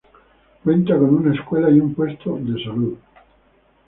Cuenta con una escuela y un puesto de salud.